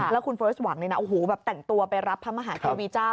แล้วคุณเฟิร์สหวังเลยนะโอ้โหแบบแต่งตัวไปรับพระมหาเทวีเจ้า